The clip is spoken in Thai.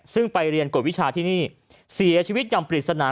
ซึ่งไปเรียนกฎวิชาที่นี่เสียชีวิตอย่างปริศนา